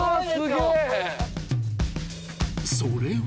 ［それは］